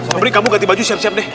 memberi kamu ganti baju siap siap deh